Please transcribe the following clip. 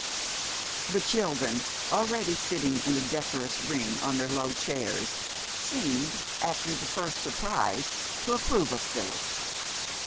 The children, already sitting in a decorous ring on their low chairs, seemed after the first surprise to approve of Phyllis.